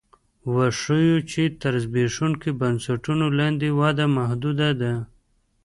وښیو چې تر زبېښونکو بنسټونو لاندې وده محدوده ده